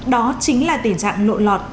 đó chính là tình trạng lộ lọt